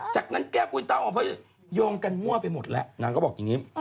จากนั้นแก้วกุยเต้าออกมาโยงกันมั่วไปหมดแล้วนางก็บอกอย่างนี้